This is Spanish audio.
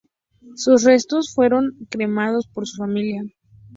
Sus restos fueron cremados por su familia.